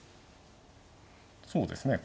そうですね